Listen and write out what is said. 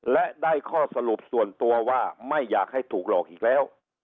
และได้ข้อสรุปส่วนตัวว่าไม่อยากให้ถูกหลอกอีกแล้ว